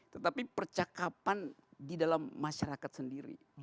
tetapi percakapan di dalam masyarakat sendiri